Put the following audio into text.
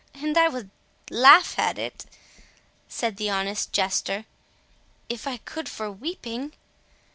And I would laugh at it," said the honest Jester, "if I could for weeping."